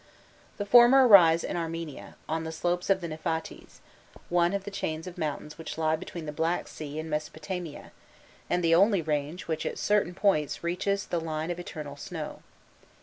The former rise in Armenia, on the slopes of the Niphates, one of the chains of mountains which lie between the Black Sea and Mesopotamia, and the only range which at certain points reaches the line of eternal snow.